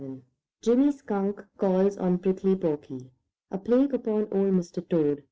VII JIMMY SKUNK CALLS ON PRICKLY PORKY "A plague upon Old Mr. Toad!"